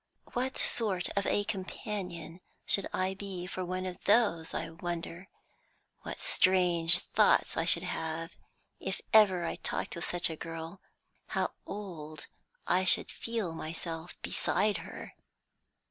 What sort of a companion should I be for one of those, I wonder! What strange thoughts I should have, if ever I talked with such a girl; how old I should feel myself beside her!"